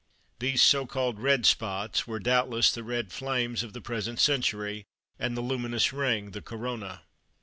These so called red "spots" were doubtless the Red Flames of the present century, and the luminous ring the Corona.